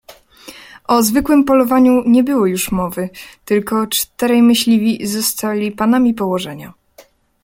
"O zwykłem polowaniu nie było już mowy, tylko czterej myśliwi zostali panami położenia."